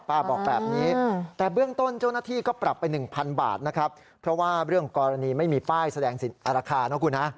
เป็นราคาของ๕ปีที่แล้ว